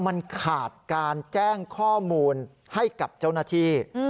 มันขาดการแจ้งข้อมูลให้กับเจ้าหน้าที่